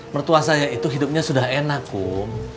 mertua saya itu hidupnya sudah enak bum